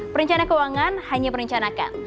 perencanaan keuangan hanya perencanaan